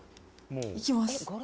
いきます。